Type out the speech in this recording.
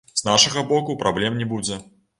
З нашага боку праблем не будзе.